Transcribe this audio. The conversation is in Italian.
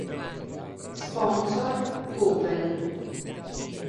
Sponsor: Opel.